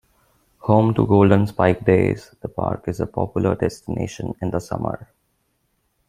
Home to Golden Spike Days, the park is a popular destination in the summer.